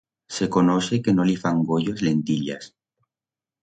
Se conoixe que no li fan goyo as lentillas.